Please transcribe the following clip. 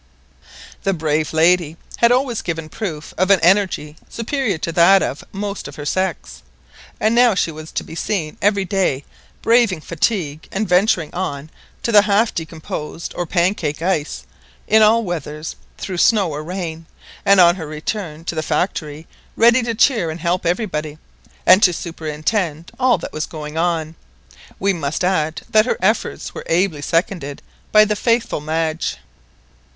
The brave lady had always given proof of an energy superior to that of most of her sex, and now she was to be seen every day braving fatigue, and venturing on to the half decomposed, or "pancake" ice, in all weathers, through snow or rain, and on her return to the factory ready to cheer and help everybody, and to superintend all that was going on. We must add that her efforts were ably seconded by the faithful Madge.